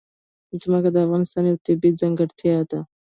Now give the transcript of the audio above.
ځمکه د افغانستان یوه طبیعي ځانګړتیا ده.